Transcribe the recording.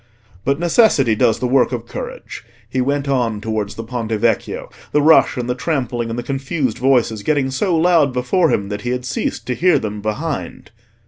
But necessity does the work of courage. He went on towards the Ponte Vecchio, the rush and the trampling and the confused voices getting so loud before him that he had ceased to hear them behind.